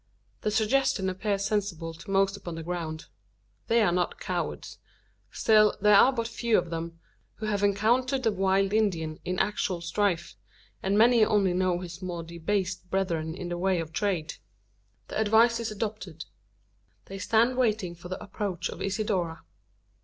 The suggestion appears sensible to most upon the ground. They are not cowards. Still there are but few of them, who have encountered the wild Indian in actual strife; and many only know his more debased brethren in the way of trade. The advice is adopted. They stand waiting for the approach of Isidora.